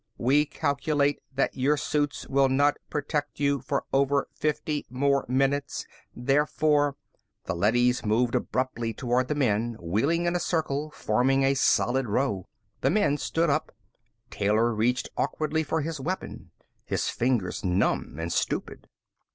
We calculate that your suits will not protect you for over fifty more minutes. Therefore " The leadys moved abruptly toward the men, wheeling in a circle, forming a solid row. The men stood up, Taylor reaching awkwardly for his weapon, his fingers numb and stupid.